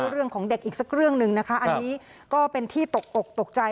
เรื่องของเด็กอีกสักเรื่องหนึ่งนะคะอันนี้ก็เป็นที่ตกอกตกใจ